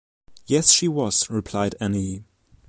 “Yes, she was,” replied Annie.